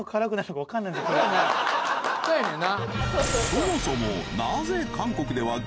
［そもそも］